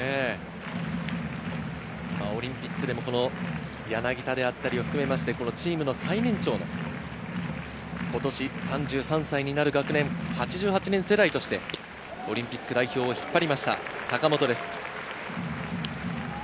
オリンピックでも柳田であったり、チームの最年長の今年３３歳になる学年８８年世代として、オリンピック代表を引っ張りました坂本です。